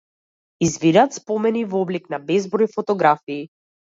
Извираат спомени, во облик на безброј фотографии.